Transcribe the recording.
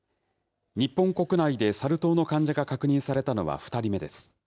日本国内でサル痘の患者が確認されたのは２人目です。